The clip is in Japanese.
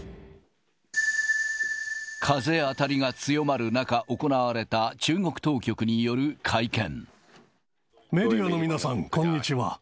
風当たりが強まる中、行われた中メディアの皆さん、こんにちは。